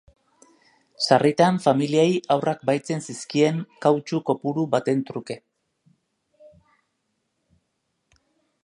Sarritan, familiei haurrak bahitzen zizkieten kautxu kopuru baten truke.